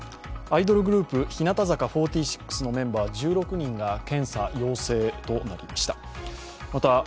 アイドルグループ、日向坂４６のメンバー１６人が検査陽性となりました。